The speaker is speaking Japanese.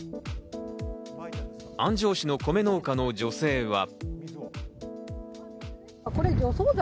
安城市の米農家の女性は。